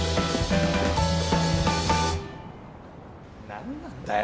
何なんだよ